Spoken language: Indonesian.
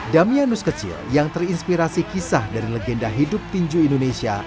damianus kecil yang terinspirasi kisah dari legenda hidup tinju indonesia